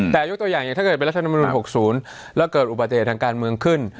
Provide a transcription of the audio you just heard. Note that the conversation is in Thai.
แต่ยกตัวอย่างอย่างถ้าเกิดเป็นรัฐธรรมนุน๖๐แล้วเกิดอุบัติเหตุทางการเมืองขึ้น